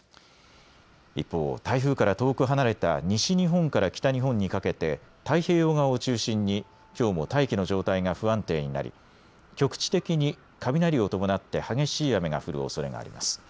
一方、台風から遠く離れた西日本から北日本にかけて太平洋側を中心にきょうも大気の状態が不安定になり局地的に雷を伴って激しい雨が降るおそれがあります。